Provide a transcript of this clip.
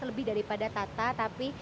lebih daripada tata tapi